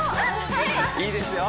いいですよ！